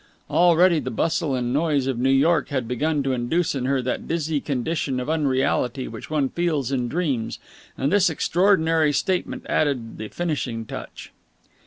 Already the bustle and noise of New York had begun to induce in her that dizzy condition of unreality which one feels in dreams, and this extraordinary statement added the finishing touch.